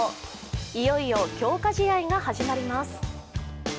いよいよ強化試合が始まります。